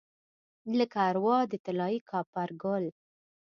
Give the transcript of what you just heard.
لکه اروا د طلايي کاپرګل